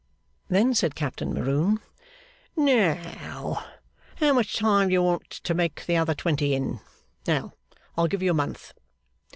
Then said Captain Maroon, 'Now, how much time do you want to make the other twenty in? Now, I'll give you a month.